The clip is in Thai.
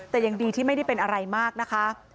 แต่ยังดีที่ไม่ได้เป็นอะไรมากนะคะ